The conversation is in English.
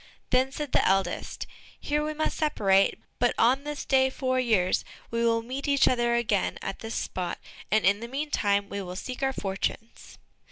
Then said the eldest, "Here we must separate, but on this day four years, we will meet each other again at this spot, and in the meantime we will seek our fortunes."